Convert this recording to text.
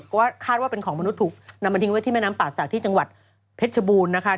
ก็คาดว่าเป็นของมนุษย์ถูกนำมาทิ้งไว้ที่แม่น้ำป่าศักดิ์ที่จังหวัดเพชรชบูรณ์นะคะ